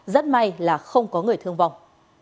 rất may là không có người thương vọng